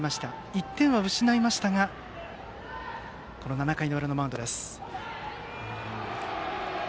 １点は失いましたが７回の裏のマウンドです。